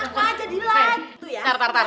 aku aja dilan